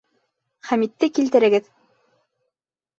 Хәмитте килтерегеҙ!